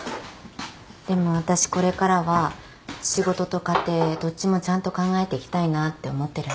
でも私これからは仕事と家庭どっちもちゃんと考えていきたいなって思ってるんです。